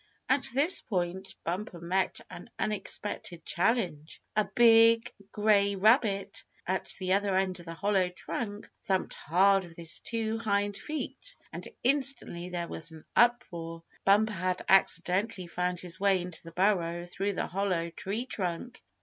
At this point Bumper met an unexpected challenge. A big, gray rabbit at the other end of the hollow trunk thumped hard with his two hind feet, and instantly there was an uproar. Bumper had accidentally found his way into the burrow through the hollow tree trunk!